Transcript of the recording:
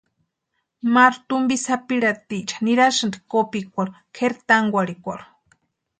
Maru tumpi sapirhatiecha nirasïnti kópikwarhu kʼeri tankwarhikwarhu.